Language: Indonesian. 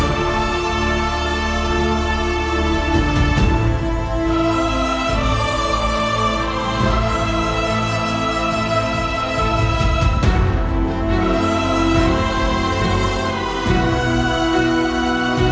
jangan picki sashurnya